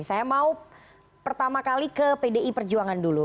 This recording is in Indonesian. saya mau pertama kali ke pdi perjuangan dulu